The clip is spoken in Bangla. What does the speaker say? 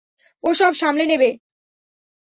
ও সব সামলে নেবে।